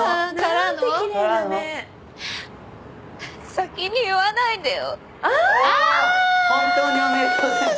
先に言わないでよ。